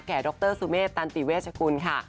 ดรสุเมษตันติเวชกุลค่ะ